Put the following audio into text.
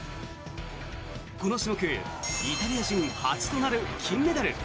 この種目イタリア人初となる金メダル。